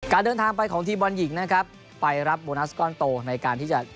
เดินทางไปของทีมบอลหญิงนะครับไปรับโบนัสก้อนโตในการที่จะ